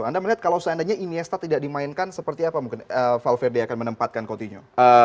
anda melihat kalau seandainya iniesta tidak dimainkan seperti apa mungkin valverde akan menempatkan coutinho